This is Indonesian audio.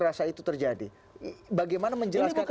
rasa itu terjadi bagaimana menjelaskan